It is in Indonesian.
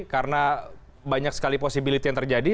karena banyak sekali posibilitas yang terjadi